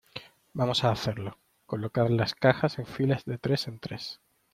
vamos a hacerlo. colocad las cajas en filas de tres en tres .